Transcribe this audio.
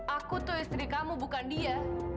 aku tuh istri kamu bukan dia